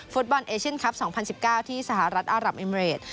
ฟุตบอลเอเชียนคลับ๒๐๑๙ที่สหรัฐอารับเอมเรด